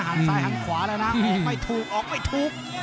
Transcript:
หันขวาแล้วนะออกไม่ถูก